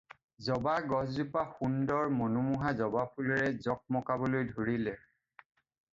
জবা গছজোপা সুন্দৰ মনোমোহা জবা ফুলেৰে জক্মকাবলৈ ধৰিলে।